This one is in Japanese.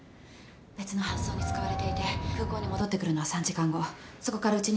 別の搬送に使われていて空港に戻ってくるのは３時間後そこからうちに来るまで２時間。